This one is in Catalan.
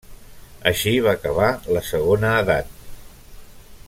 Així va acabar la Segona Edat.